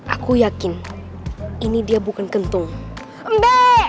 aku yakin ini dia bukan kentung mbak